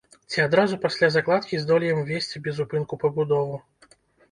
Ці адразу пасля закладкі здолеем весці безупынку пабудову.